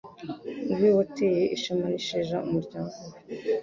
Ni we wateye ishema n’isheja umuryango we